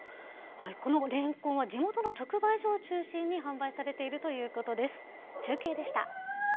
このレンコンは地元の直売所を中心に販売されているということです。